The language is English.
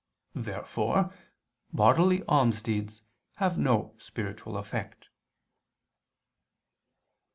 Therefore bodily almsdeeds have no spiritual effect.